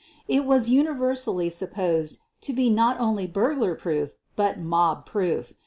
It was universally supposed to be not only burglar proof but mob proof.